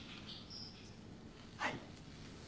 はい。